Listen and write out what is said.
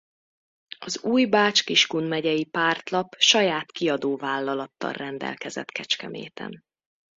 Az új Bács-Kiskun megyei pártlap saját kiadóvállalattal rendelkezett Kecskeméten.